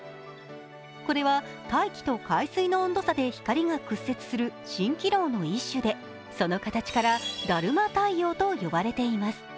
これは大気と海水の温度差で光が屈折する蜃気楼の一種で、その形からだるま太陽と呼ばれています。